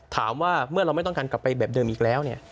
ถามว่าเมื่อเราไม่ต้องการกลับไปแบบเดิมอีกแล้วเนี่ย